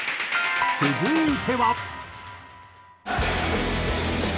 続いては。